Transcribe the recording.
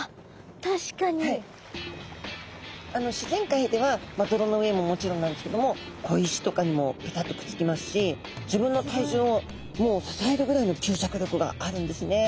自然界では泥の上ももちろんなんですけども小石とかにもぺたっとくっつきますし自分の体重をもう支えるぐらいの吸着力があるんですね。